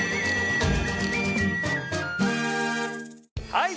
はい！